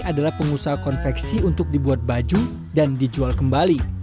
adalah pengusaha konveksi untuk dibuat baju dan dijual kembali